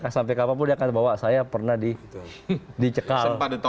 sampai keapapun dia akan terbawa saya pernah dicekal